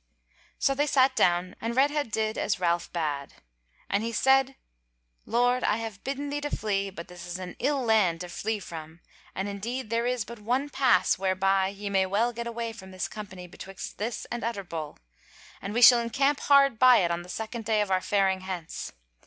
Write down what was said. So they sat down, and Redhead did as Ralph bade; and he said: "Lord, I have bidden thee to flee; but this is an ill land to flee from, and indeed there is but one pass whereby ye may well get away from this company betwixt this and Utterbol; and we shall encamp hard by it on the second day of our faring hence.